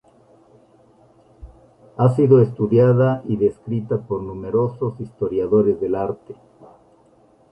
Ha sido estudiada y descrita por numerosos historiadores del arte.